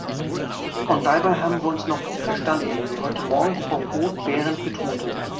Und dabei haben wir uns noch gut verstanden, wie heute morgen Frau Roth-Behrendt betonte.